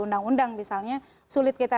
undang undang misalnya sulit kita